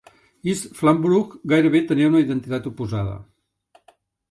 East Flamborough gairebé tenia una identitat oposada.